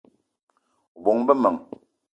O bóng-be m'men